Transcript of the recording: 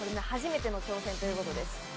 初めての挑戦ということです。